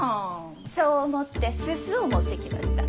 そう思ってすすを持ってきました。